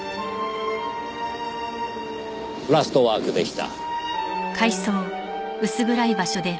『ラストワーク』でした。